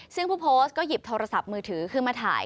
ซึ่งผู้โพสต์ก็หยิบโทรศัพท์มือถือขึ้นมาถ่าย